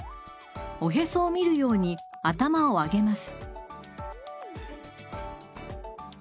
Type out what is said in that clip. おへそを見るように頭を上げます。